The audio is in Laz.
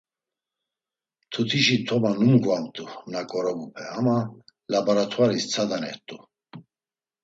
Mtutişi toma numgvamt̆u, na ǩorobupe ama labaratuari tsadanert̆u.